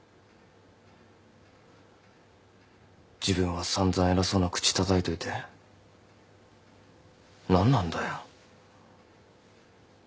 自分は散々偉そうな口たたいといて何なんだよ。